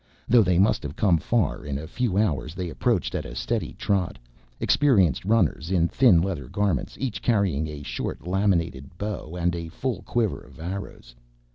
Though they must have come far in a few hours they approached at a steady trot, experienced runners, in thin leather garments each carrying a short, laminated bow and a full quiver of arrows.